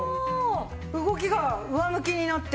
動きが上向きになって。